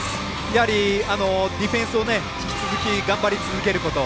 やはりディフェンスを引き続き頑張り続けること。